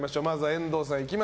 遠藤さん。